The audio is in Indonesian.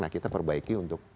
nah kita perbaiki untuk